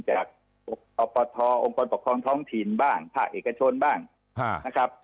จากอปทองค์กรปกครองท้องถิ่นบ้างภาคเอกชนบ้างนะครับ